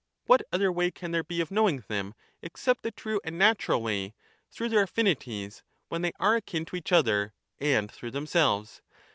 What other way can there be of knowing them, except the true and natural way, through their affinities, when they are akin to each other, and through themselves?